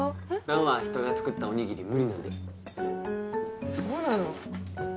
弾は人が作ったおにぎり無理なんでそうなの？